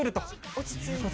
落ち着いて。